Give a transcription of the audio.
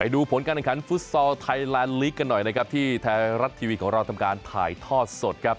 ดูผลการแข่งขันฟุตซอลไทยแลนด์ลีกกันหน่อยนะครับที่ไทยรัฐทีวีของเราทำการถ่ายทอดสดครับ